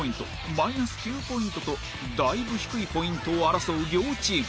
マイナス９ポイントとだいぶ低いポイントを争う両チーム